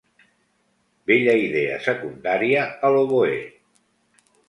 Bella idea secundària a l'oboè.